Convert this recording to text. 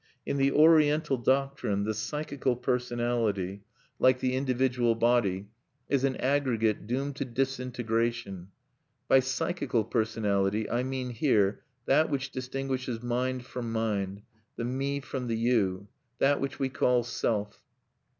In the Oriental doctrine, the psychical personality, like the individual body, is an aggregate doomed to disintegration By psychical personality I mean here that which distinguishes mind from mind, the "me" from the "you": that which we call self.